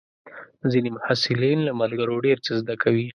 ځینې محصلین له ملګرو ډېر څه زده کوي.